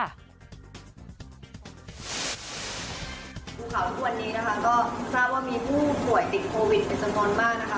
ดูค่ะวันนี้ก็ทราบว่ามีผู้ผ่วยติดโควิดไปจำนวนมากนะคะ